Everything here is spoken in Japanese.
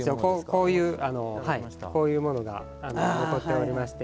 こういうものが残っておりまして。